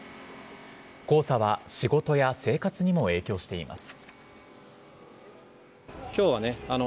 黄砂は仕事や生活にも影響しています。